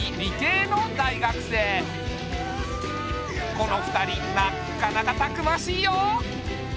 この二人なっかなかたくましいよ。